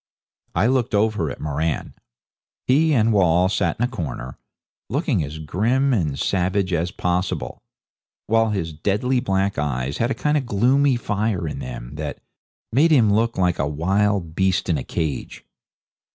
I looked over at Moran. He and Wall sat in a corner, looking as grim and savage as possible, while his deadly black eyes had a kind of gloomy fire in them that made him look like a wild beast in a cage.